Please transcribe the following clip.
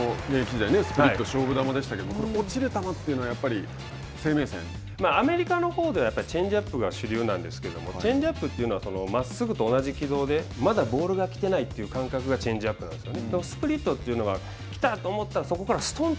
上原さんも現役時代にスプリットが勝負球でしたけどアメリカのほうではやっぱりチェンジアップが主流なんですけどもチェンジアップというのはまっすぐと同じ軌道でまだボールが来てないという感覚がチェンジアップなんですよね。